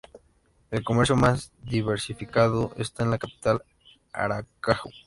El comercio más diversificado está en la capital, Aracaju.